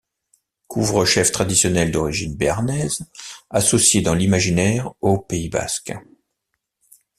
Couvre-chef traditionnel d'origine béarnaise associé dans l'imaginaire au Pays basque.